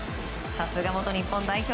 さすが元日本代表。